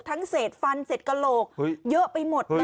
เศษฟันเศษกระโหลกเยอะไปหมดเลย